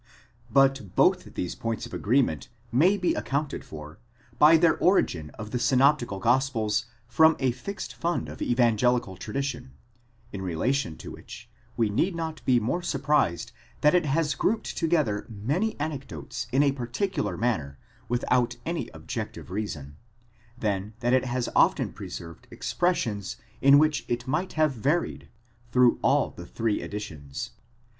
But both these points of agreement may be accounted for, by the origin of the synoptical gos pels from a fixed fund of evangelical tradition, in relation to which, we need not be more surprised that it has grouped together many anecdotes in a particular manner without any objective reason, than that it has often preserved ex pressions in which it might have varied, through all the three editions.